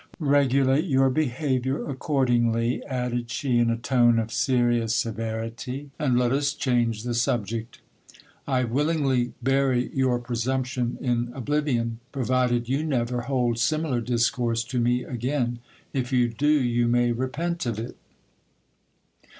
Regulate your behaviour accordingly, added she in a tone of serious severity, and let us change the subject. I willingly bury your presumption in oblivion, provided you never hold similar discourse to me again : if you do, you may repent of it.